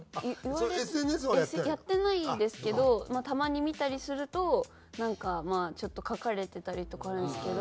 やってないですけどたまに見たりするとなんかまあちょっと書かれてたりとかあるんですけど。